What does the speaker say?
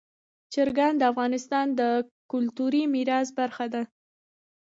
چرګان د افغانستان د کلتوري میراث برخه ده.